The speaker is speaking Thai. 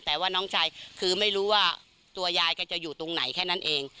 แต่ว่าน้องชายคือไม่รู้ว่าตัวยายก็จะอยู่ตรงไหนแค่นั้นเอง